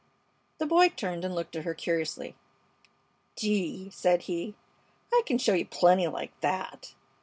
The boy turned and looked at her curiously. "Gee!" said he, "I c'n show you plenty like that!"